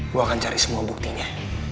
gue akan cari semua buktinya